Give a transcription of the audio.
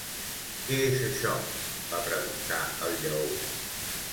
Què és això? va preguntar el lleó.